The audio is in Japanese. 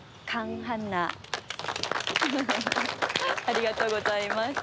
ありがとうございます。